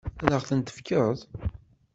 Ad ɣ-ten-tefkeḍ?